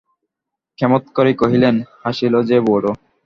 ক্ষেমংকরী কহিলেন, হাসলি যে বড়ো!